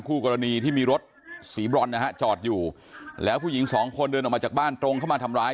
คู่กรณีที่มีรถสีบรอนนะฮะจอดอยู่แล้วผู้หญิงสองคนเดินออกมาจากบ้านตรงเข้ามาทำร้าย